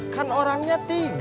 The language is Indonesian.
kan orangnya tiga